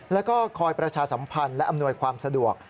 แล้วก็คอยประชาสัมพันธ์และอำนวยความสะดวก